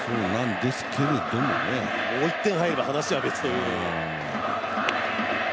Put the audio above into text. もう一点入れば話は別という。